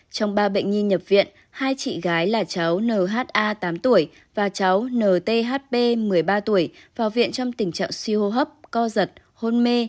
trong ba bệnh nhi nhập viện hai chị gái là cháu nh tám tuổi và cháu nthb một mươi ba tuổi vào viện trong tình trạng suy hô hấp co giật hôn mê